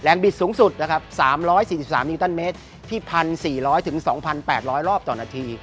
แรงบิดสูงสุด๓๔๓นิตเมตรที่๑๔๐๐ถึง๒๘๐๐รอบต่อนาที